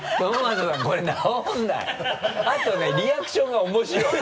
あとねリアクションが面白い。